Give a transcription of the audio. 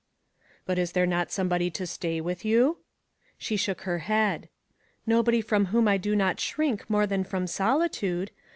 "But is there not somebody to stay with you ?.'; She shook her head. " Nobody from whom I do not shrink more than from solitude.